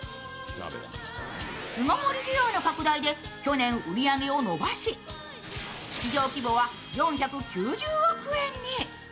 巣ごもり需要の拡大で去年売り上げを伸ばし市場規模は４９０億円に。